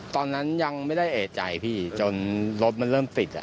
ตอนนั้นยังไม่ได้เอกใจพี่จนรถมันเริ่มปิดอ่ะ